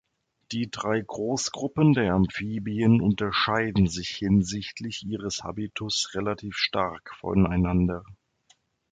Die drei Großgruppen der Amphibien unterscheiden sich hinsichtlich ihres Habitus relativ stark voneinander.